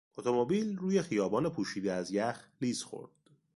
اتومبیل روی خیابان پوشیده از یخ لیز خورد.